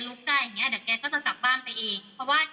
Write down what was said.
แล้วทีนี้เอ่อเขาก็เหมือนเขาก็เมาอ่ะค่ะแล้วเพื่อนเขาก็บอกว่ากลับบ้านกัน